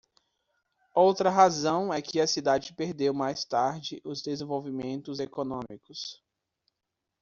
Outra razão é que a cidade perdeu mais tarde os desenvolvimentos econômicos.